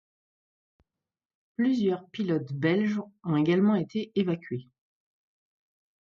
Plusieurs pilotes belges ont également été évacués.